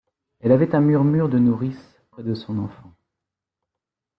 Elle avait un murmure de nourrice près de son enfant.